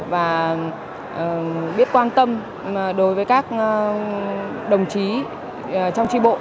và biết quan tâm đối với các đồng chí trong tri bộ